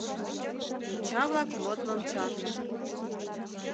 Йоча-влак модмым чарнышт: